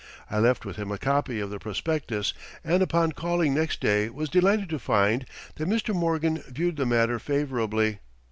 I left with him a copy of the prospectus, and upon calling next day was delighted to find that Mr. Morgan viewed the matter favorably.